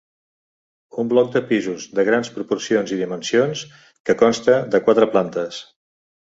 Un bloc de pisos de grans proporcions i dimensions que consta de quatre plantes.